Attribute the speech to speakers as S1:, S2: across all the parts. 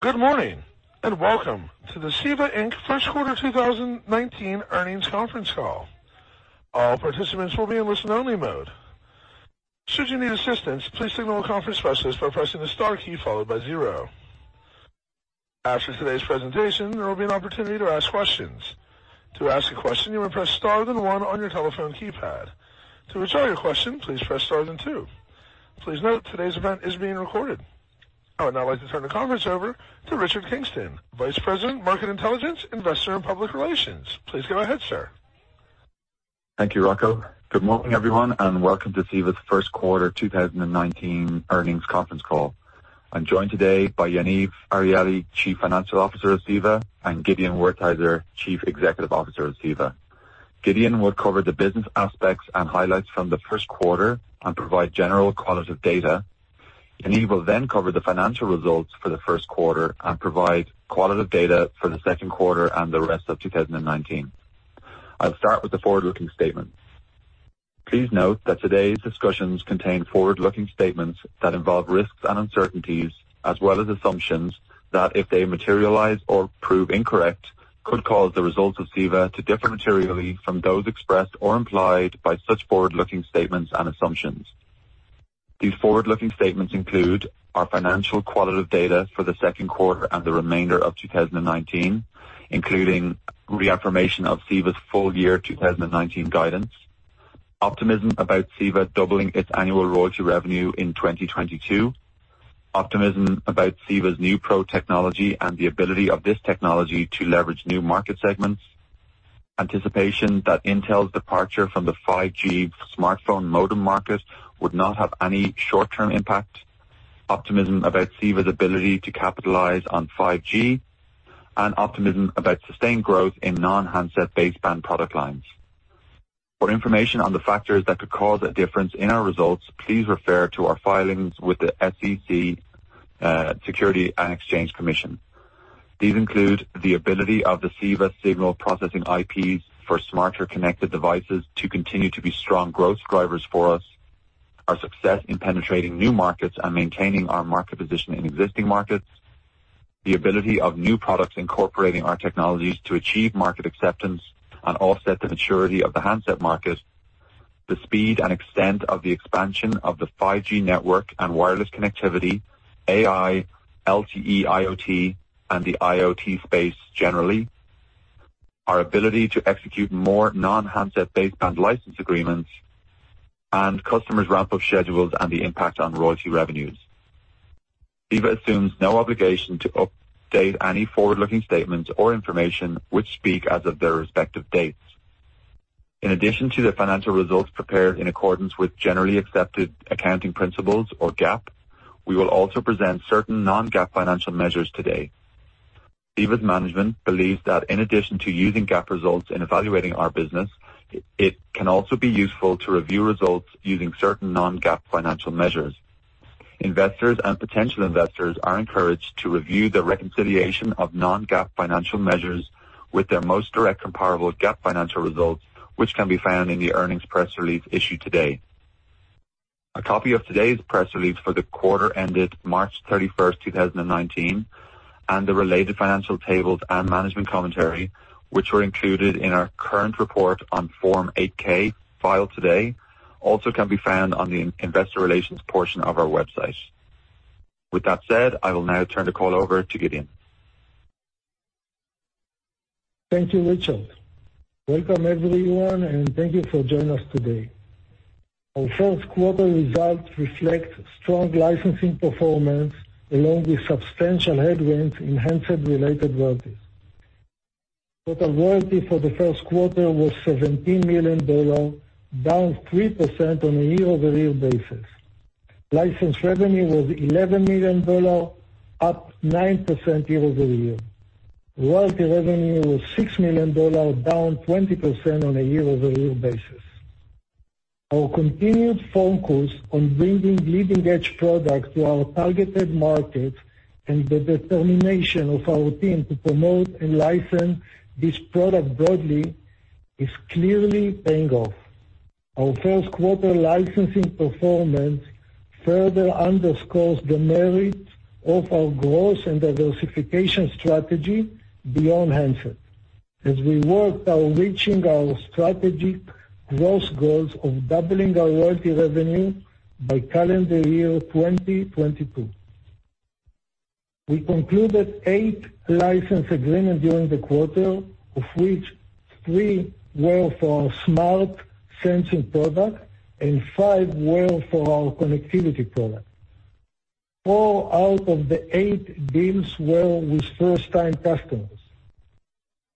S1: Good morning, and welcome to the CEVA Inc. First Quarter 2019 Earnings Conference Call. All participants will be in listen only mode. Should you need assistance, please signal a conference specialist by pressing the star key followed by zero. After today's presentation, there will be an opportunity to ask questions. To ask a question, you will press star then one on your telephone keypad. To withdraw your question, please press star then two. Please note, today's event is being recorded. I would now like to turn the conference over to Richard Kingston, Vice President, Market Intelligence, Investor and Public Relations. Please go ahead, sir.
S2: Thank you, Rocco. Good morning, everyone, welcome to CEVA's First Quarter 2019 Earnings Conference Call. I'm joined today by Yaniv Arieli, Chief Financial Officer of CEVA, and Gideon Wertheizer, Chief Executive Officer of CEVA. Gideon will cover the business aspects and highlights from the first quarter and provide general qualitative data. Yaniv will cover the financial results for the first quarter and provide qualitative data for the second quarter and the rest of 2019. I'll start with the forward-looking statement. Please note that today's discussions contain forward-looking statements that involve risks and uncertainties, as well as assumptions that, if they materialize or prove incorrect, could cause the results of CEVA to differ materially from those expressed or implied by such forward-looking statements and assumptions. These forward-looking statements include our financial qualitative data for the second quarter and the remainder of 2019, including reaffirmation of CEVA's full year 2019 guidance, optimism about CEVA doubling its annual royalty revenue in 2022, optimism about CEVA's new NeuPro technology and the ability of this technology to leverage new market segments, anticipation that Intel's departure from the 5G smartphone modem market would not have any short-term impact, optimism about CEVA's ability to capitalize on 5G, and optimism about sustained growth in non-handset baseband product lines. For information on the factors that could cause a difference in our results, please refer to our filings with the SEC, Securities and Exchange Commission. These include the ability of the CEVA signal processing IPs for smarter connected devices to continue to be strong growth drivers for us, our success in penetrating new markets and maintaining our market position in existing markets, the ability of new products incorporating our technologies to achieve market acceptance and offset the maturity of the handset market, the speed and extent of the expansion of the 5G network and wireless connectivity, AI, LTE, IoT, and the IoT space generally, our ability to execute more non-handset baseband license agreements, and customers' ramp-up schedules and the impact on royalty revenues. CEVA assumes no obligation to update any forward-looking statements or information which speak as of their respective dates. In addition to the financial results prepared in accordance with Generally Accepted Accounting Principles or GAAP, we will also present certain non-GAAP financial measures today. CEVA's management believes that in addition to using GAAP results in evaluating our business, it can also be useful to review results using certain non-GAAP financial measures. Investors and potential investors are encouraged to review the reconciliation of non-GAAP financial measures with their most direct comparable GAAP financial results, which can be found in the earnings press release issued today. A copy of today's press release for the quarter ended March 31st, 2019, and the related financial tables and management commentary, which were included in our current report on Form 8-K filed today, also can be found on the investor relations portion of our website. With that said, I will now turn the call over to Gideon.
S3: Thank you, Richard. Welcome everyone, thank you for joining us today. Our first quarter results reflect strong licensing performance along with substantial headwinds in handset-related royalties. Total royalty for the first quarter was $17 million, down 3% on a year-over-year basis. License revenue was $11 million, up 9% year-over-year. Royalty revenue was $6 million, down 20% on a year-over-year basis. Our continued focus on bringing leading-edge products to our targeted markets and the determination of our team to promote and license this product broadly is clearly paying off. Our first quarter licensing performance further underscores the merit of our growth and diversification strategy beyond handsets as we work on reaching our strategic growth goals of doubling our royalty revenue by calendar year 2022. We concluded eight license agreements during the quarter, of which three were for our smart sensing product and five were for our connectivity product. Four out of the eight deals were with first-time customers.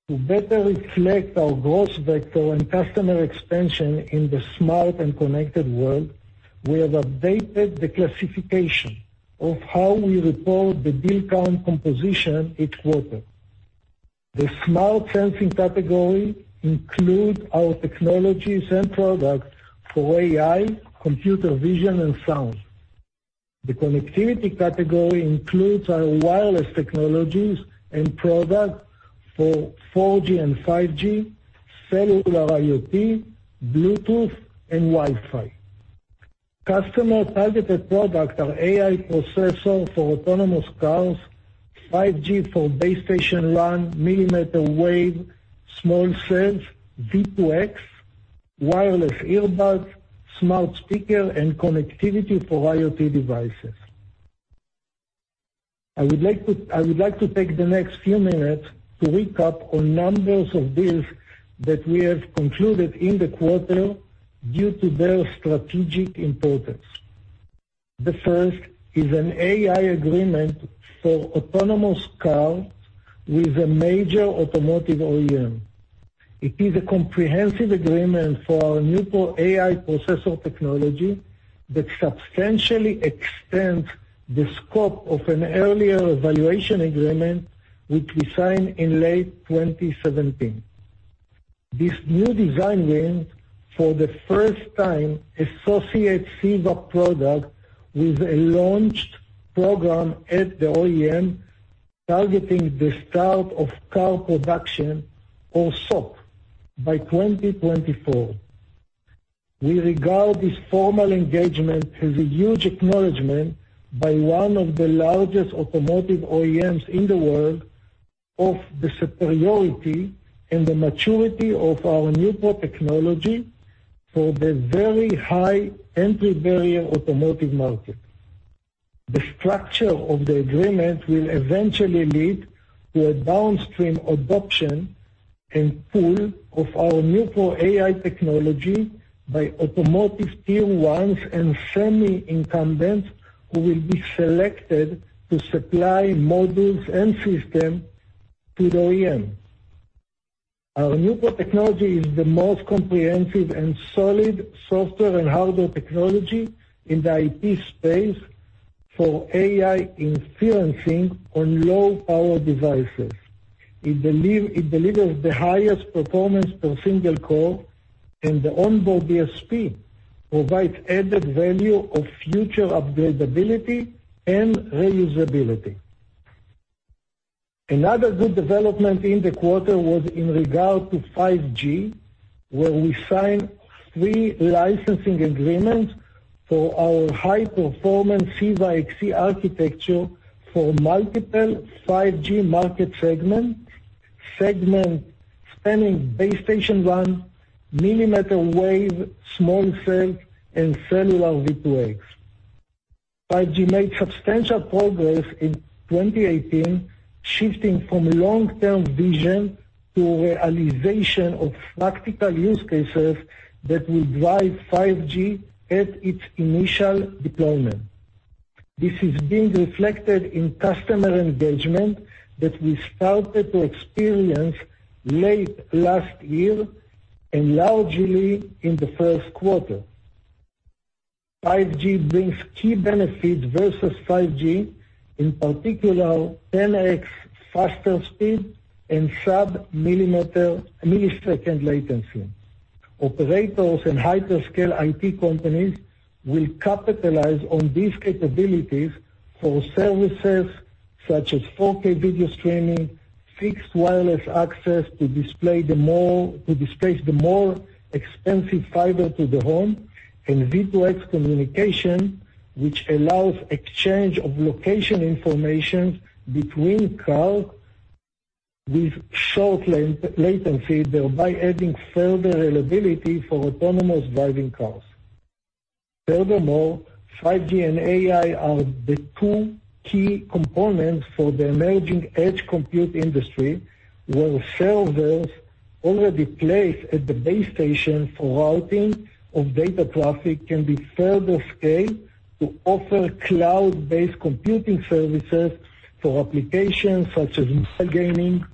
S3: To better reflect our growth vector and customer expansion in the smart and connected world, we have updated the classification of how we report the deal count composition each quarter. The smart sensing category includes our technologies and products for AI, computer vision, and sound. The connectivity category includes our wireless technologies and products for 4G and 5G, cellular IoT, Bluetooth, and Wi-Fi. Customer-targeted products are AI processor for autonomous cars, 5G for base station RAN, millimeter wave, small cells, V2X, wireless earbuds, smart speaker, and connectivity for IoT devices. I would like to take the next few minutes to recap on numbers of deals that we have concluded in the quarter due to their strategic importance. The first is an AI agreement for autonomous cars with a major automotive OEM. It is a comprehensive agreement for our NeuPro AI processor technology that substantially extends the scope of an earlier evaluation agreement, which we signed in late 2017. This new design win for the first time associates CEVA product with a launched program at the OEM targeting the start of car production, or SOP, by 2024. We regard this formal engagement as a huge acknowledgement by one of the largest automotive OEMs in the world of the superiority and the maturity of our NeuPro technology for the very high entry barrier automotive market. The structure of the agreement will eventually lead to a downstream adoption and pool of our NeuPro AI technology by automotive tier 1s and semi-incumbents who will be selected to supply modules and system to the OEM. Our NeuPro technology is the most comprehensive and solid software and hardware technology in the IP space for AI inferencing on low-power devices. It delivers the highest performance per single core, and the onboard DSP provides added value of future upgradability and reusability. Another good development in the quarter was in regard to 5G, where we signed three licensing agreements for our high-performance CEVA-XC architecture for multiple 5G market segments, spanning base station RAN, millimeter wave, small cell, and cellular V2X. 5G made substantial progress in 2018, shifting from long-term vision to realization of practical use cases that will drive 5G at its initial deployment. This is being reflected in customer engagement that we started to experience late last year and largely in the first quarter. 5G brings key benefits versus 4G, in particular 10x faster speed and sub-millisecond latency. Operators and hyperscale IT companies will capitalize on these capabilities for services such as 4K video streaming, fixed wireless access to displace the more expensive fiber to the home, and V2X communication, which allows exchange of location information between cars with short latency, thereby adding further reliability for autonomous driving cars. 5G and AI are the two key components for the emerging edge compute industry, where servers already placed at the base station for routing of data traffic can be further scaled to offer cloud-based computing services for applications such as mobile gaming,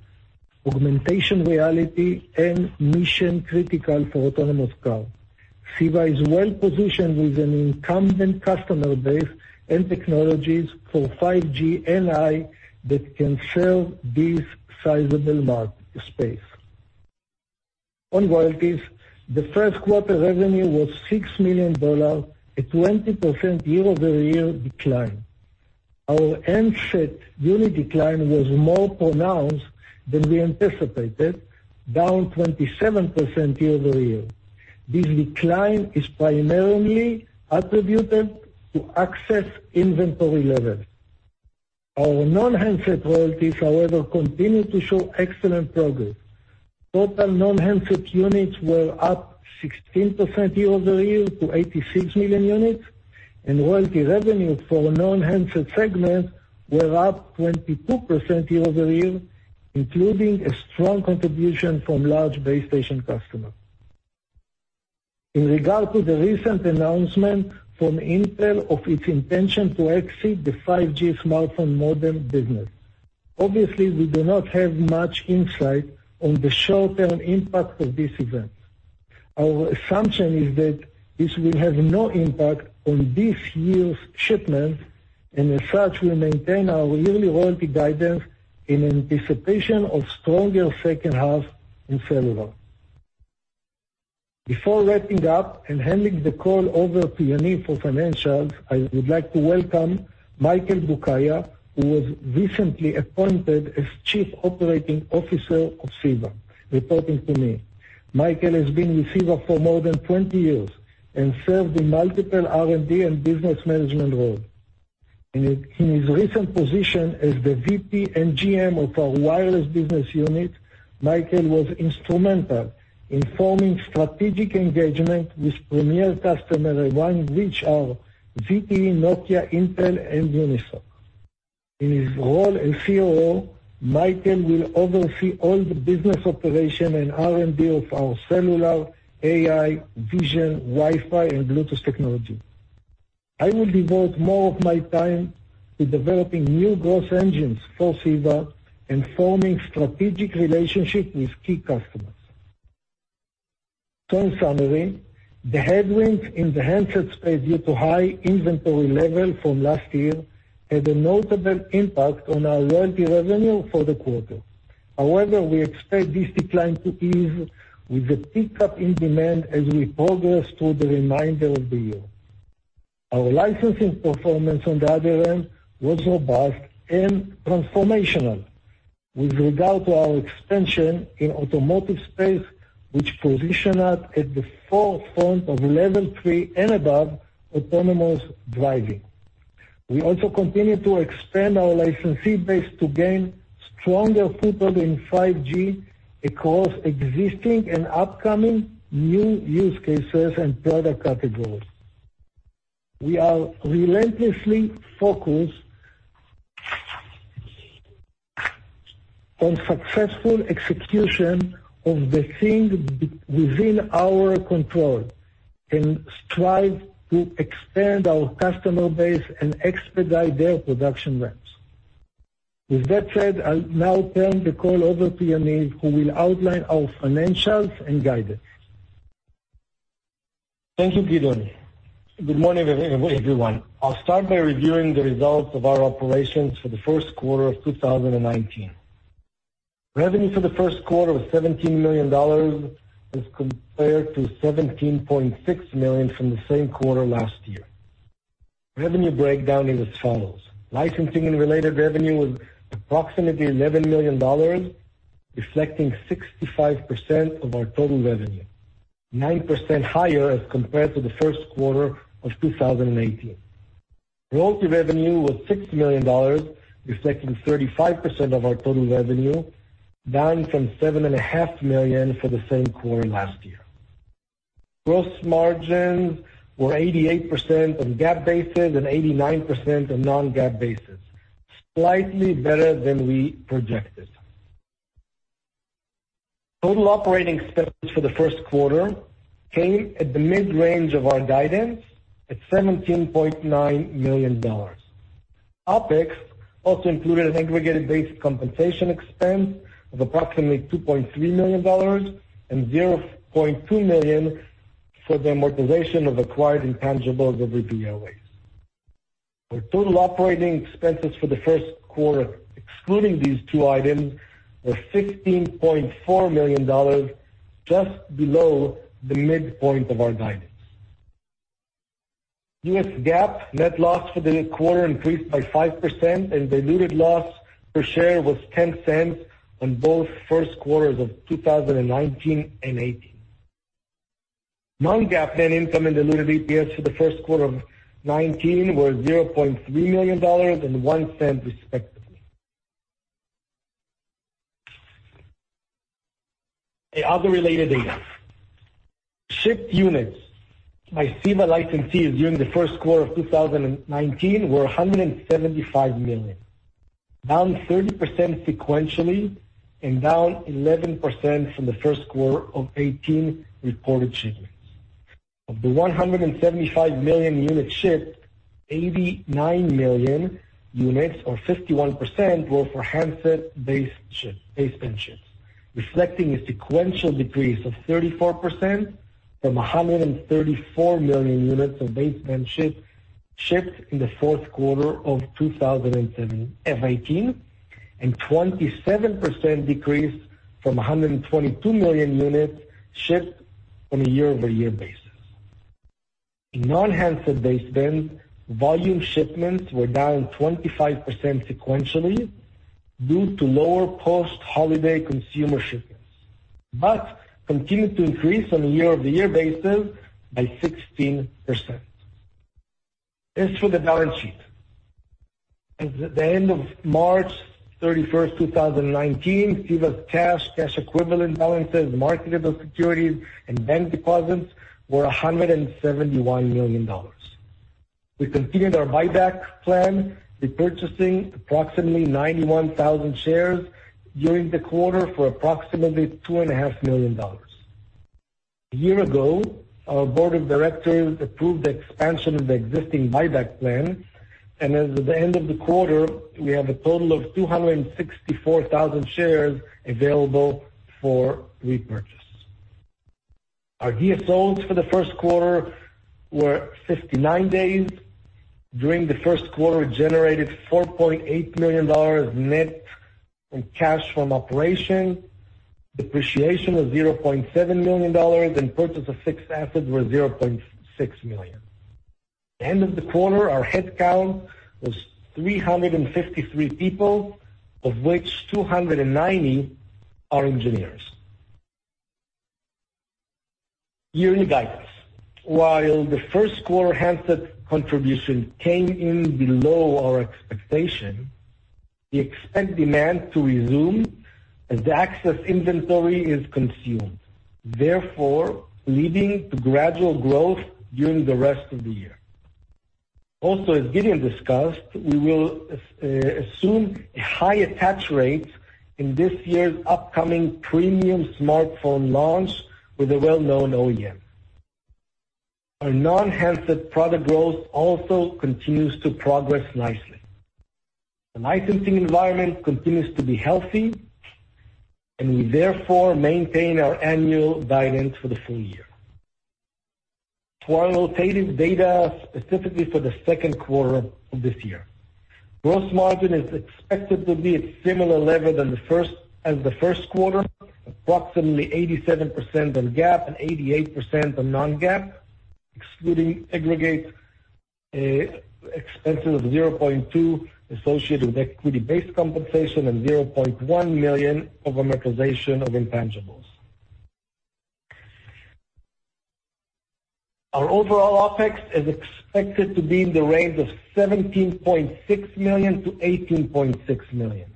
S3: augmentation reality, and mission-critical for autonomous cars. CEVA is well positioned with an incumbent customer base and technologies for 5G and AI that can serve this sizable market space. On royalties, the first quarter revenue was $6 million, a 20% year-over-year decline. Our handset unit decline was more pronounced than we anticipated, down 27% year-over-year. This decline is primarily attributed to excess inventory levels. Our non-handset royalties, however, continue to show excellent progress. Total non-handset units were up 16% year-over-year to 86 million units, and royalty revenue for the non-handset segment were up 22% year-over-year, including a strong contribution from large base station customers. In regard to the recent announcement from Intel of its intention to exit the 5G smartphone modem business, obviously, we do not have much insight on the short-term impact of this event. Our assumption is that this will have no impact on this year's shipments, and as such, we maintain our yearly royalty guidance in anticipation of stronger second half in cellular. Before wrapping up and handing the call over to Yaniv for financials, I would like to welcome Michael Boukaya, who was recently appointed as Chief Operating Officer of CEVA, reporting to me. Michael has been with CEVA for more than 20 years and served in multiple R&D and business management roles. In his recent position as the VP and GM of our wireless business unit, Michael was instrumental in forming strategic engagement with premier customers among which are ZTE, Nokia, Intel, and Unisoc. In his role as COO, Michael will oversee all the business operation and R&D of our cellular, AI, vision, Wi-Fi, and Bluetooth technology. I will devote more of my time to developing new growth engines for CEVA and forming strategic relationships with key customers. In summary, the headwinds in the handset space due to high inventory levels from last year, had a notable impact on our royalty revenue for the quarter. However, we expect this decline to ease with the pickup in demand as we progress through the remainder of the year. Our licensing performance on the other end was robust and transformational with regard to our expansion in automotive space, which position us at the forefront of level 3 and above autonomous driving. We also continue to expand our licensee base to gain stronger foothold in 5G across existing and upcoming new use cases and product categories. We are relentlessly focused on successful execution of the things within our control and strive to expand our customer base and expedite their production ramps. With that said, I'll now turn the call over to Yaniv, who will outline our financials and guidance.
S4: Thank you, Gideon. Good morning, everyone. I'll start by reviewing the results of our operations for the first quarter of 2019. Revenue for the first quarter was $17 million as compared to $17.6 million from the same quarter last year. Revenue breakdown is as follows: licensing and related revenue was approximately $11 million, reflecting 65% of our total revenue, 9% higher as compared to the first quarter of 2018. Royalty revenue was $6 million, reflecting 35% of our total revenue, down from $7.5 million for the same quarter last year. Gross margins were 88% on GAAP basis and 89% on non-GAAP basis, slightly better than we projected. Total operating expenses for the first quarter came at the mid-range of our guidance at $17.9 million. OpEx also included an aggregated base compensation expense of approximately $2.3 million and $0.2 million for the amortization of acquired intangibles of the DOA. Our total operating expenses for the first quarter, excluding these two items, were $16.4 million, just below the midpoint of our guidance. U.S. GAAP net loss for the quarter increased by 5% and diluted loss per share was $0.10 on both first quarters of 2019 and 2018. Non-GAAP net income and diluted EPS for the first quarter of 2019 were $0.3 million and $0.01, respectively. Other related data. Shipped units by CEVA licensees during the first quarter of 2019 were 175 million, down 30% sequentially and down 11% from the first quarter of 2018 reported shipments. Of the 175 million units shipped, 89 million units or 51% were for handset baseband ships, reflecting a sequential decrease of 34% from 134 million units of baseband shipped in the fourth quarter of 2018 and 27% decrease from 122 million units shipped on a year-over-year basis. In non-handset baseband, volume shipments were down 25% sequentially due to lower post-holiday consumer shipments, but continued to increase on a year-over-year basis by 16%. As for the balance sheet. As of the end of March 31st, 2019, CEVA's cash equivalent balances, marketable securities, and bank deposits were $171 million. We continued our buyback plan, repurchasing approximately 91,000 shares during the quarter for approximately $2.5 million. A year ago, our board of directors approved the expansion of the existing buyback plan, and as of the end of the quarter, we have a total of 264,000 shares available for repurchase. Our days sold for the first quarter were 59 days. During the first quarter, we generated $4.8 million net in cash from operation, depreciation of $0.7 million, and purchase of fixed assets were $0.6 million. At the end of the quarter, our headcount was 353 people, of which 290 are engineers. Yearly guidance. While the first quarter handset contribution came in below our expectation, we expect demand to resume as the access inventory is consumed, therefore leading to gradual growth during the rest of the year. Also, as Gideon discussed, we will assume a high attach rate in this year's upcoming premium smartphone launch with a well-known OEM. Our non-handset product growth also continues to progress nicely. The licensing environment continues to be healthy, and we therefore maintain our annual guidance for the full year. To our notated data, specifically for the second quarter of this year. Gross margin is expected to be at similar level as the first quarter, approximately 87% on GAAP and 88% on non-GAAP, excluding aggregate expenses of $0.2 million associated with equity-based compensation and $0.1 million of amortization of intangibles. Our overall OpEx is expected to be in the range of $17.6 million-$18.6 million.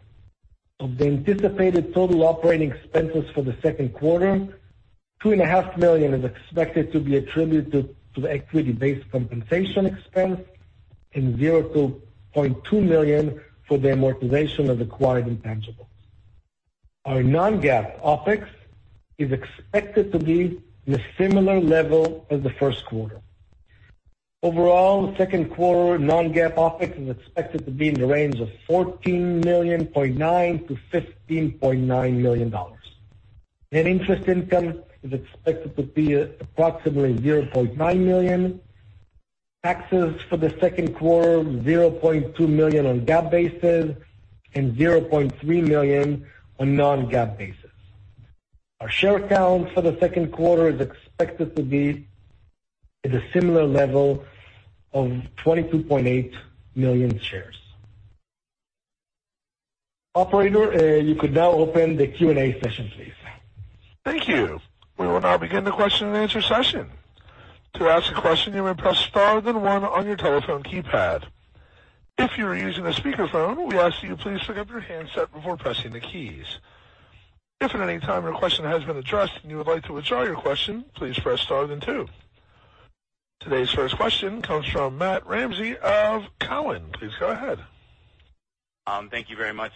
S4: Of the anticipated total operating expenses for the second quarter, two and a half million is expected to be attributed to the equity-based compensation expense and $0-$0.2 million for the amortization of acquired intangibles. Our non-GAAP OpEx is expected to be in a similar level as the first quarter. Overall, second quarter non-GAAP OpEx is expected to be in the range of $14.9 million-$15.9 million. Net interest income is expected to be approximately $0.9 million. Taxes for the second quarter, $0.2 million on GAAP basis and $0.3 million on non-GAAP basis. Our share count for the second quarter is expected to be at a similar level of 22.8 million shares. Operator, you could now open the Q&A session, please.
S1: Thank you. We will now begin the question and answer session. To ask a question, you may press star then one on your telephone keypad. If you're using a speakerphone, we ask that you please pick up your handset before pressing the keys. If at any time your question has been addressed and you would like to withdraw your question, please press star then two. Today's first question comes from Matthew Ramsay of Cowen. Please go ahead.
S5: Thank you very much.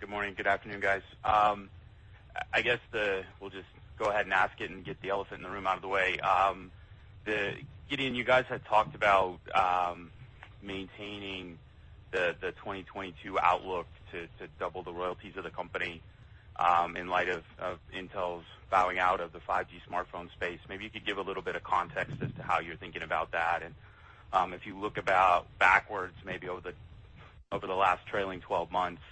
S5: Good morning. Good afternoon, guys. I guess, we'll just go ahead and ask it and get the elephant in the room out of the way. Gideon, you guys had talked about maintaining the 2022 outlook to double the royalties of the company in light of Intel's bowing out of the 5G smartphone space. Maybe you could give a little bit of context as to how you're thinking about that. If you look about backwards, maybe over the last trailing 12 months,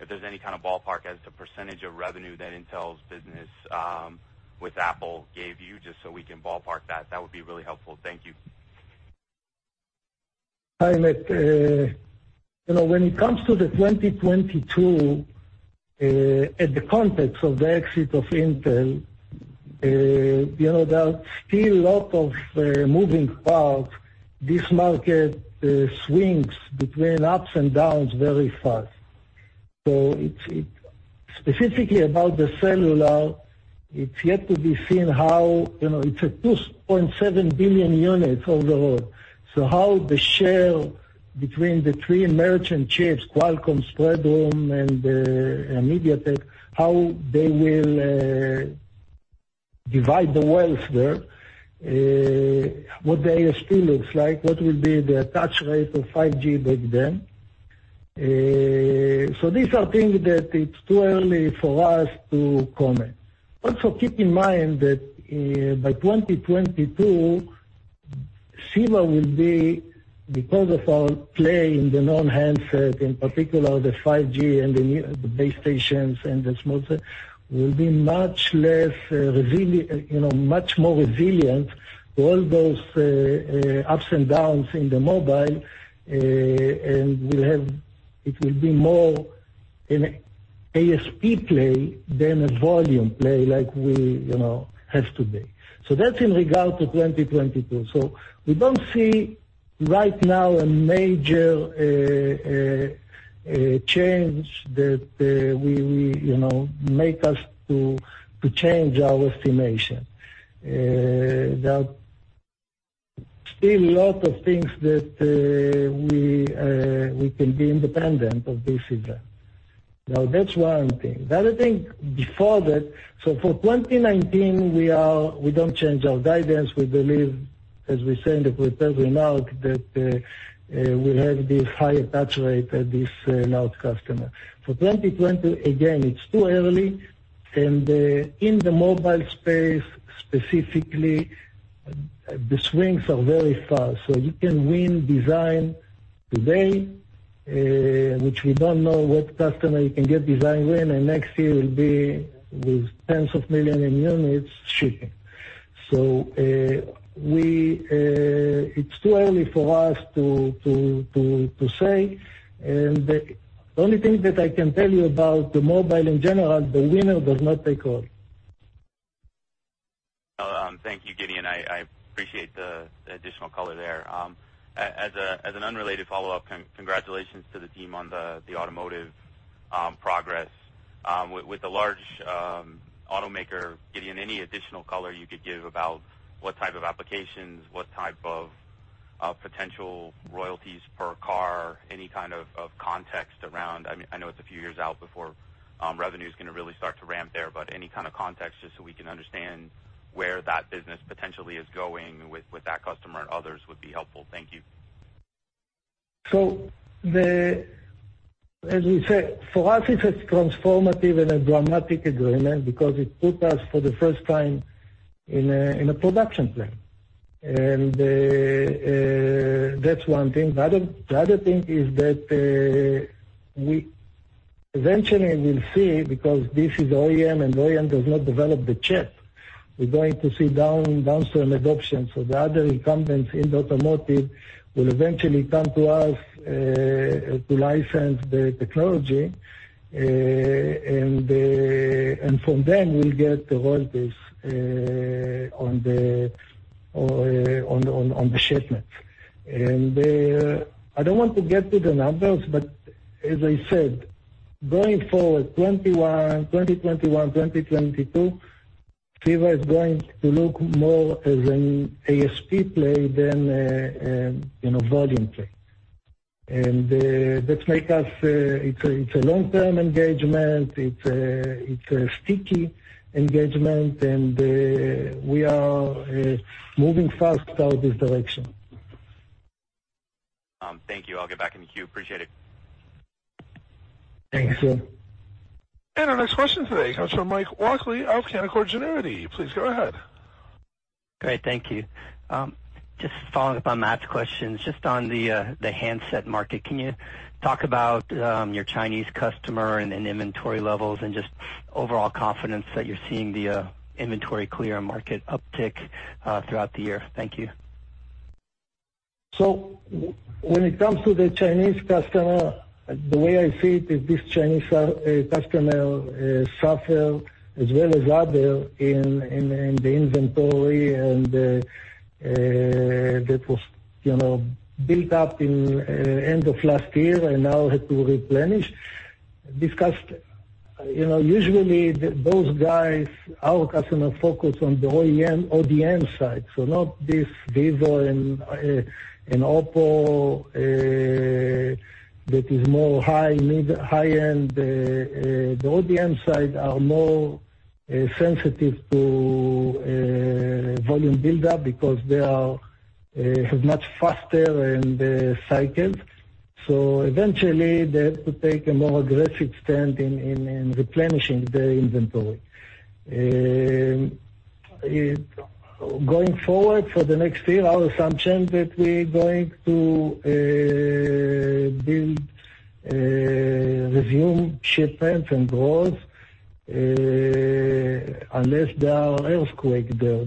S5: if there's any kind of ballpark as to percentage of revenue that Intel's business with Apple gave you, just so we can ballpark that would be really helpful. Thank you.
S4: Hi, Matt. When it comes to 2022, in the context of the exit of Intel, there are still a lot of moving parts. This market swings between ups and downs very fast. Specifically about the cellular, it's yet to be seen how It's at 2.7 billion units overall. How the share between the three merchant chips, Qualcomm, Spreadtrum, and MediaTek, how they will divide the wealth there, what the ASP looks like, what will be the attach rate of 5G back then. These are things that it's too early for us to comment. Also, keep in mind that by 2022, CEVA will be, because of our play in the non-handset, in particular the 5G and the base stations and the small cell, will be much more resilient to all those ups and downs in the mobile, and it will be more an ASP play than a volume play like we have today. That's in regard to 2022. We don't see right now a major change that will make us to change our estimation. There are still a lot of things that we can be independent of this event. Now, that's one thing. The other thing, before that, for 2019, we don't change our guidance. We believe, as we said, if we tell you now that we have this high attach rate at this large customer. For 2020, again, it's too early, and in the mobile space, specifically, the swings are very fast. You can win design today, which we don't know what customer you can get design win, and next year will be with tens of millions in units shipping. It's too early for us to say. The only thing that I can tell you about the mobile in general, the winner does not take all.
S5: The additional color there. As an unrelated follow-up, congratulations to the team on the automotive progress. With the large automaker, Gideon, any additional color you could give about what type of applications, what type of potential royalties per car, any kind of context around I know it's a few years out before revenue is going to really start to ramp there, but any kind of context, just so we can understand where that business potentially is going with that customer and others would be helpful. Thank you.
S3: As we said, for us, it's a transformative and a dramatic agreement because it put us for the first time in a production plan. That's one thing. The other thing is that we eventually will see, because this is OEM, and OEM does not develop the chip. We're going to see downstream adoption. The other incumbents in the automotive will eventually come to us to license the technology. From them, we'll get the royalties on the shipment. I don't want to get to the numbers, but as I said, going forward, 2021, 2022, CEVA is going to look more as an ASP play than a volume play. It's a long-term engagement. It's a sticky engagement, and we are moving fast out this direction.
S5: Thank you. I'll get back in the queue. Appreciate it.
S3: Thank you.
S1: Our next question today comes from Mike Walkley of Canaccord Genuity. Please go ahead.
S6: Great. Thank you. Just following up on Matt's questions, just on the handset market, can you talk about your Chinese customer and inventory levels and just overall confidence that you're seeing the inventory clear and market uptick throughout the year? Thank you.
S3: When it comes to the Chinese customer, the way I see it is this Chinese customer suffered, as well as others in the inventory, and that was built up in end of last year and now had to replenish because usually those guys, our customer focus on the OEM side. Not this Vivo and OPPO that is more high-end. The ODM side are more sensitive to volume buildup because they are much faster in the cycles. Eventually, they have to take a more aggressive stand in replenishing their inventory. Going forward, for the next year, our assumption that we're going to build, resume shipments and growth, unless there are earthquake there.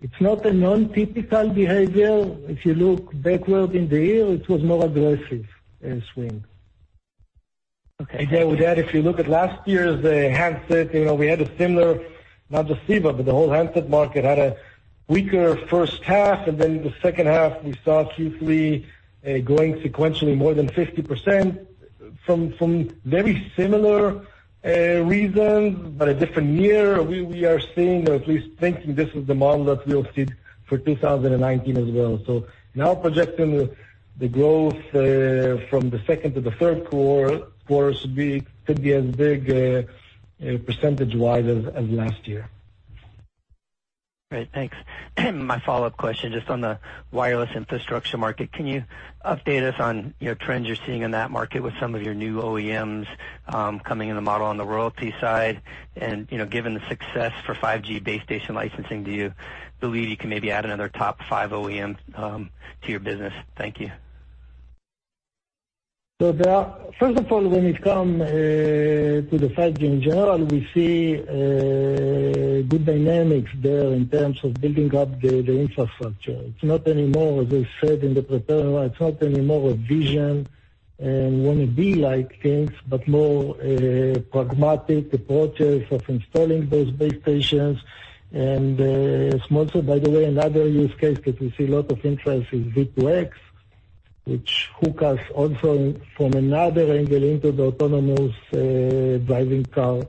S3: It's not a non-typical behavior. If you look backward in the year, it was more aggressive swing.
S6: Okay.
S4: Again, with that, if you look at last year's handset, we had a similar, not just CEVA, but the whole handset market had a weaker first half, and then the second half, we saw Q3 going sequentially more than 50% from very similar reasons, but a different year. We are seeing, or at least thinking this is the model that we'll see for 2019 as well. Now projecting the growth from the second to the third quarter should be as big percentage-wise as last year.
S6: Great. Thanks. My follow-up question, just on the wireless infrastructure market, can you update us on trends you're seeing in that market with some of your new OEMs coming in the model on the royalty side? Given the success for 5G base station licensing, do you believe you can maybe add another top five OEM to your business? Thank you.
S3: First of all, when it come to the 5G in general, we see good dynamics there in terms of building up the infrastructure. As I said in the prepared, it's not anymore a vision and want to be like things, but more a pragmatic approaches of installing those base stations. By the way, another use case that we see a lot of interest is V2X, which hook us also from another angle into the autonomous driving car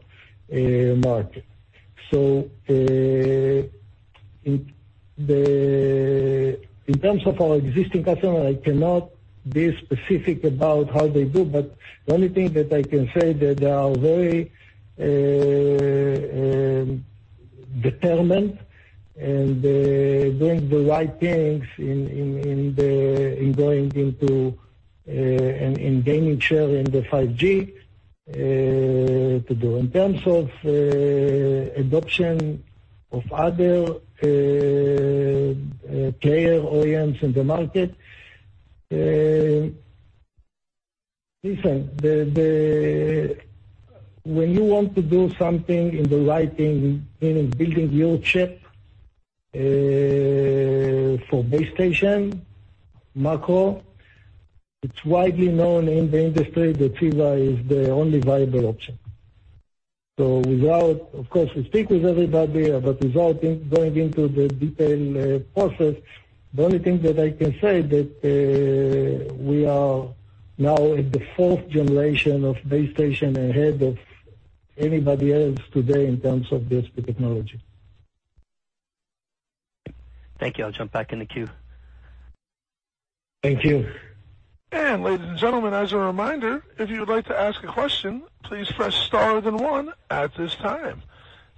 S3: market. In terms of our existing customer, I cannot be specific about how they do, but the only thing that I can say that they are very determined and doing the right things in going into and gaining share in the 5G. In terms of adoption of other player OEMs in the market, listen, when you want to do something in the right thing in building your chip. For base station macro, it's widely known in the industry that CEVA is the only viable option. Of course, we speak with everybody, but without going into the detailed process, the only thing that I can say that we are now in the fourth generation of base station ahead of anybody else today in terms of DSP technology.
S6: Thank you. I'll jump back in the queue.
S3: Thank you.
S1: Ladies and gentlemen, as a reminder, if you would like to ask a question, please press star then one at this time.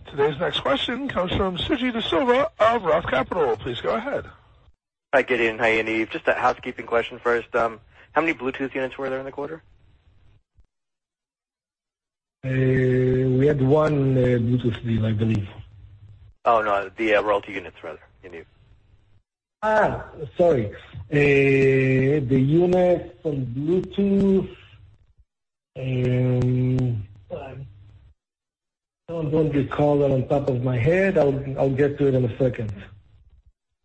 S1: Today's next question comes from Suji Desilva of Roth Capital. Please go ahead.
S7: Hi, Gideon. Hi, Yaniv. Just a housekeeping question first. How many Bluetooth units were there in the quarter?
S4: We had one Bluetooth deal, I believe.
S7: Oh, no, the royalty units rather, Yaniv.
S4: Sorry. The units from Bluetooth. I don't recall that on top of my head. I'll get to it in a second.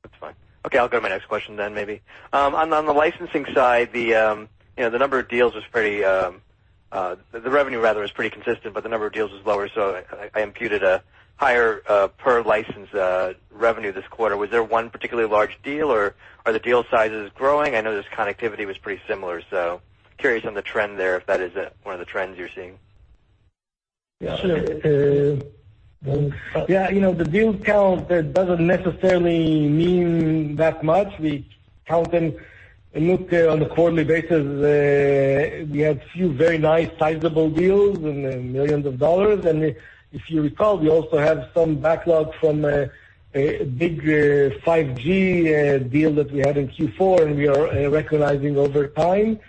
S7: That's fine. I'll go to my next question. On the licensing side, the number of deals was pretty consistent, but the number of deals was lower, so I imputed a higher per license revenue this quarter. Was there one particularly large deal, or are the deal sizes growing? I know this connectivity was pretty similar, so curious on the trend there, if that is one of the trends you're seeing.
S4: The deals count doesn't necessarily mean that much. We count and look on a quarterly basis. We had few very nice sizable deals in $ millions, and if you recall, we also had some backlog from a big 5G deal that we had in Q4, and we are recognizing over time.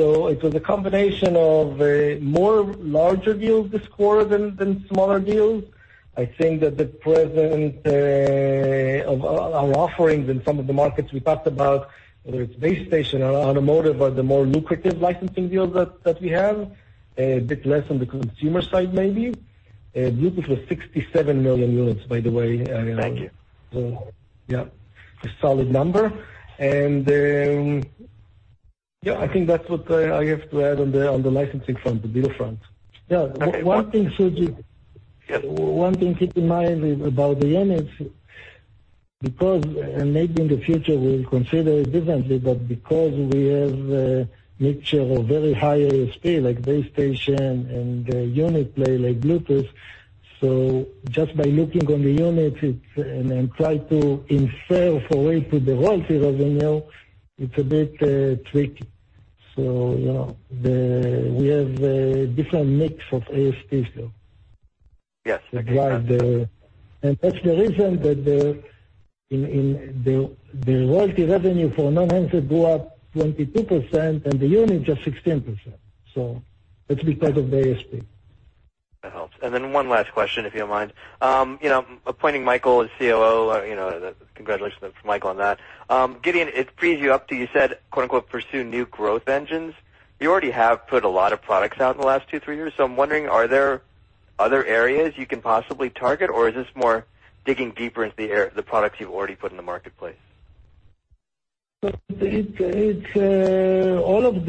S4: It was a combination of more larger deals this quarter than smaller deals. I think that the present of our offerings in some of the markets we talked about, whether it's base station or automotive, are the more lucrative licensing deals that we have. A bit less on the consumer side maybe. Bluetooth was 67 million units, by the way.
S7: Thank you.
S4: A solid number. Yeah, I think that's what I have to add on the licensing front, the deal front. Okay. One thing, Suji.
S7: Yeah.
S3: One thing keep in mind about the units, because, and maybe in the future we'll consider it differently, but because we have a mixture of very high ASP, like base station and unit play like Bluetooth, just by looking on the units and try to infer for it to the royalty revenue, it's a bit tricky. We have a different mix of ASPs though.
S7: Yes, that makes sense.
S4: That's the reason that the royalty revenue for non-handset go up 22% and the unit just 16%. It's because of the ASP.
S7: That helps. Then one last question, if you don't mind. Appointing Michael as COO, congratulations to Michael on that. Gideon, it frees you up to, you said, quote-unquote, "Pursue new growth engines." You already have put a lot of products out in the last two, three years. I'm wondering, are there other areas you can possibly target, or is this more digging deeper into the products you've already put in the marketplace?
S3: It's all of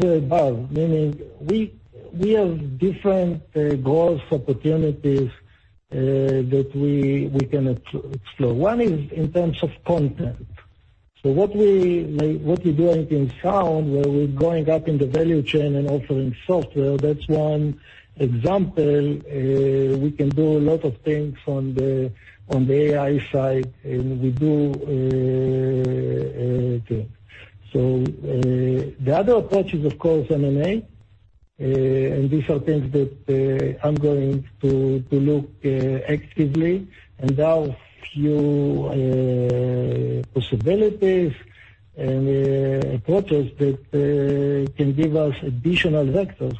S3: the above, meaning we have different growth opportunities, that we can explore. One is in terms of content. What we doing in sound, where we're going up in the value chain and offering software, that's one example. We can do a lot of things on the AI side, and we do too. The other approach is, of course, M&A, and these are things that I'm going to look actively, and there are few possibilities and approaches that can give us additional vectors.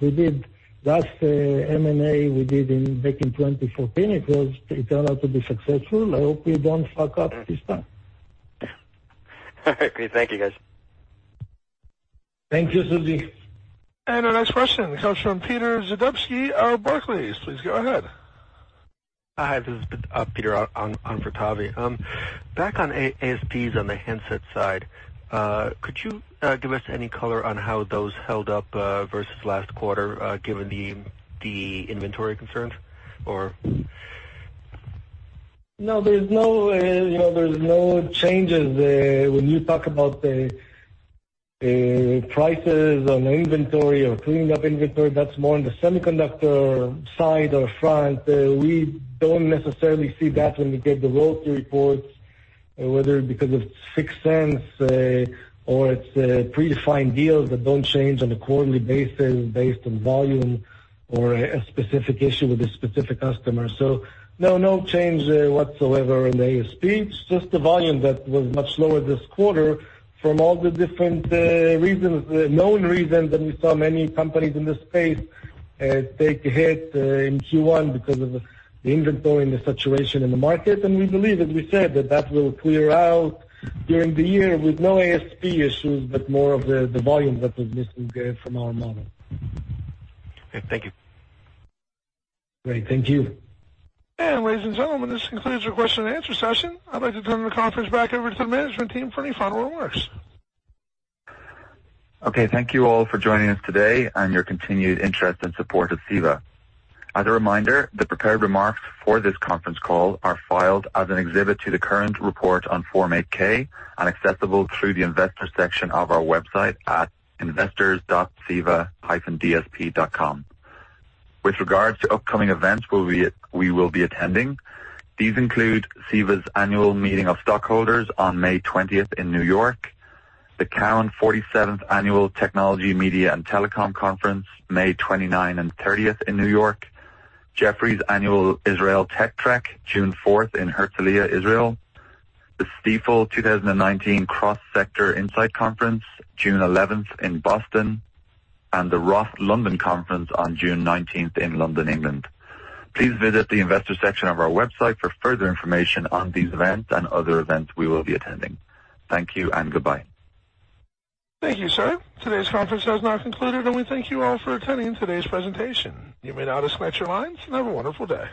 S3: Last M&A we did back in 2014, it turned out to be successful. I hope we don't fuck up this time.
S7: Great. Thank you, guys.
S3: Thank you, Suji.
S1: Our next question comes from Peter Zdebski of Barclays. Please go ahead.
S8: Hi, this is Peter on for Tavy. Back on ASPs on the handset side, could you give us any color on how those held up, versus last quarter, given the inventory concerns?
S4: No, there's no changes there. When you talk about the prices on inventory or cleaning up inventory, that's more on the semiconductor side or front. We don't necessarily see that when we get the royalty reports, whether because it's fixed cents or it's predefined deals that don't change on a quarterly basis based on volume or a specific issue with a specific customer. No change whatsoever in the ASP. It's just the volume that was much lower this quarter from all the different reasons, the known reasons that we saw many companies in this space take a hit in Q1 because of the inventory and the saturation in the market. We believe, as we said, that that will clear out during the year with no ASP issues, but more of the volume that was missing from our model.
S8: Okay. Thank you.
S4: Great. Thank you.
S1: Ladies and gentlemen, this concludes your question-and-answer session. I'd like to turn the conference back over to the management team for any final remarks.
S2: Okay. Thank you all for joining us today and your continued interest and support of CEVA. As a reminder, the prepared remarks for this conference call are filed as an exhibit to the current report on Form 8-K and accessible through the investor section of our website at investors.ceva-dsp.com. With regards to upcoming events we will be attending, these include CEVA's Annual Meeting of Stockholders on May 20th in New York, the Cowen 47th Annual Technology, Media and Telecom Conference, May 29 and 30th in New York, Jefferies Annual Israel Tech Trek June 4th in Herzliya, Israel, the Stifel 2019 Cross Sector Insight Conference June 11th in Boston, and the Roth London Conference on June 19th in London, England. Please visit the investor section of our website for further information on these events and other events we will be attending. Thank you and goodbye.
S1: Thank you, sir. Today's conference has now concluded. We thank you all for attending today's presentation. You may now disconnect your lines. Have a wonderful day.